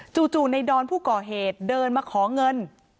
จู่ในดอนผู้ก่อเหตุเดินมาขอเงิน